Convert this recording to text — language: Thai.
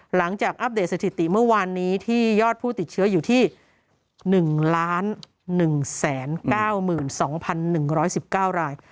อัปเดตสถิติเมื่อวานนี้ที่ยอดผู้ติดเชื้ออยู่ที่๑๑๙๒๑๑๙ราย